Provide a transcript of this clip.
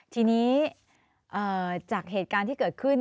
ทีนี้จากเหตุการณ์ที่เกิดขึ้น